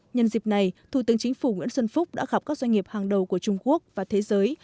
nhân dịp này thủ tướng chính phủ nguyễn xuân phúc đã gặp các doanh nghiệp hàng đầu của trung quốc và thế giới